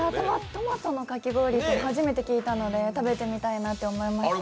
トマトのかき氷って初めて聞いたので食べてみたいなと思いました。